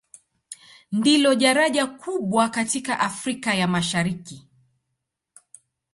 Ndilo daraja kubwa katika Afrika ya Mashariki.